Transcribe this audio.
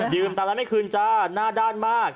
ยืมตังแล้วไม่คืนจ้าหน้าด้านมาก